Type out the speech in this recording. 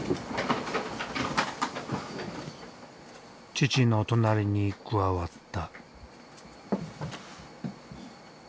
父の隣に加わった。